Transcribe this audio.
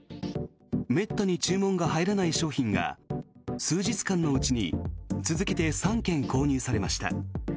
めったに注文が入らない商品が数日間のうちに続けて３件購入されました。